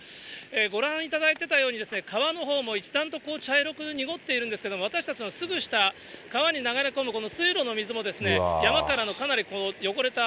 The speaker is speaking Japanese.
ご覧いただいてたように、川のほうも一段と茶色く濁っているんですけれども、私たちのすぐ下、川に流れ込む、この水路の水も、山からのかなり汚れた